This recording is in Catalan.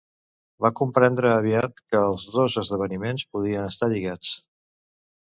Va comprendre aviat que els dos esdeveniments podrien estar lligats.